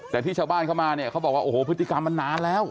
แต่ที่ชาวบ้านเข้ามาเนี่ยเขาบอกว่าโอ้โหพฤติกรรมมันนานแล้ว